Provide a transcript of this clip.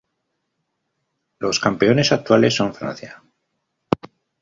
Los campeones actuales son Francia.